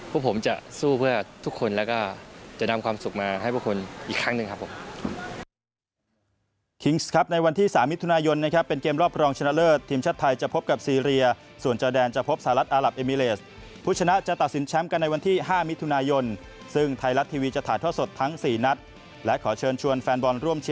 พวกผมจะสู้เพื่อทุกคนแล้วก็จะนำความสุขมาให้พวกคุณอีกครั้งหนึ่งครับผม